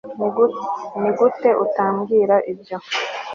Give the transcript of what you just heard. Nigute utambwira ibyo